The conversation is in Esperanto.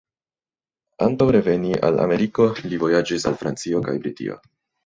Antaŭ reveni al Ameriko, li vojaĝis al Francio kaj Britio.